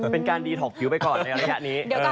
เป็นการดีถกผิวไปก่อนในระยะนี้